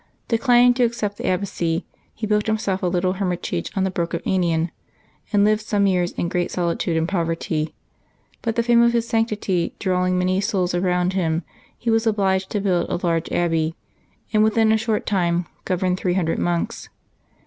Declining to accept the abbacy, he built himself a little hermitage on the brook Anian, and lived some years in great solitude and poverty; but the fame of his sanctity drawing many souls around him, he was obliged to build a large abbey, and within a short time governed three hundred monks.